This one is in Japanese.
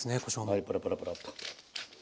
はいパラパラパラッと。